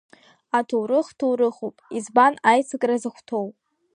Аҭоурых, ҭоурыхуп, избан аицакра захәҭоу?